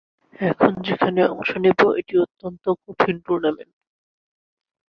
এখন যেখানে অংশ নেব, এটা অত্যন্ত কঠিন টুর্নামেন্ট।